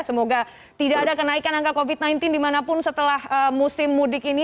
semoga tidak ada kenaikan angka covid sembilan belas dimanapun setelah musim mudik ini